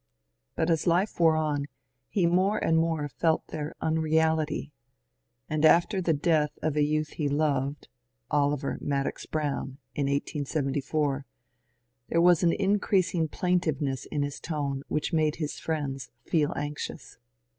But as life wore on he more and more felt their unreality ; and after the death of a youth he loved (Oliver Madox Brown) in 1874, there was an increasing plaintiveness in his tone which made bis friends feel anxious.